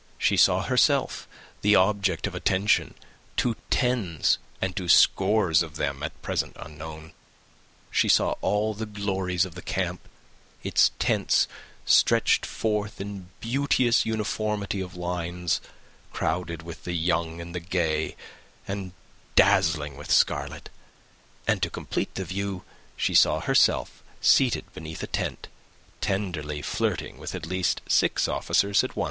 She saw herself the object of attention to tens and to scores of them at present unknown. She saw all the glories of the camp: its tents stretched forth in beauteous uniformity of lines, crowded with the young and the gay, and dazzling with scarlet; and, to complete the view, she saw herself seated beneath a tent, tenderly flirting with at least six officers at once.